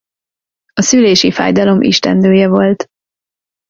A szülési fájdalom istennője volt.